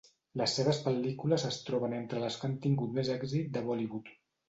Les seves pel·lícules es troben entre les que han tingut més èxit de Bollywood.